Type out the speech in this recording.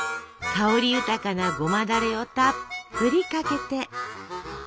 香り豊かなごまだれをたっぷりかけて。